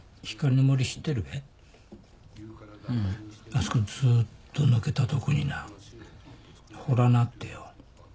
あそこずっと抜けたとこにな洞穴あってよ。